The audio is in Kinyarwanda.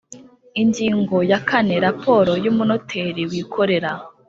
Ingingo ya kane Raporo y umunoteri wikorera